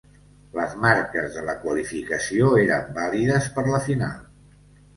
Les marques de la qualificació eren vàlides per la final.